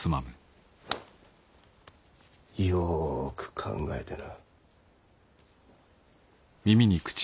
よく考えてな。